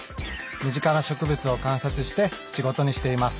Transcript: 身近な植物を観察して仕事にしています。